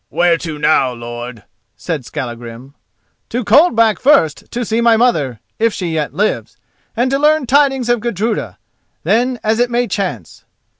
"Where to now, lord?" said Skallagrim. "To Coldback first, to see my mother, if she yet lives, and to learn tidings of Gudruda. Then as it may chance."